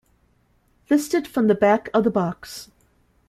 Listed from the back of the box.